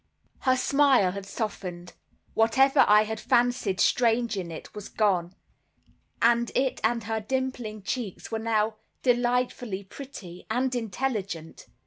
Her smile had softened. Whatever I had fancied strange in it, was gone, and it and her dimpling cheeks were now delightfully pretty and intelligent.